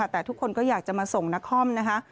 แต่ทุกคนก็อยากจะมาส่งนักคอมนะคะ